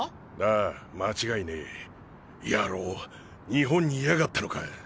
日本にいやがったのか。